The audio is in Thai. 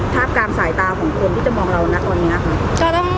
ภาพการสายตาของคนที่จะมองเรานะ